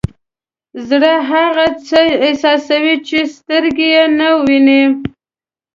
زړه هغه څه احساسوي چې سترګې یې نه ویني.